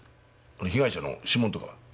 被害者の指紋とかは？